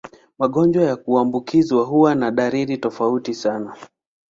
Magonjwa ya kuambukizwa huwa na dalili tofauti sana.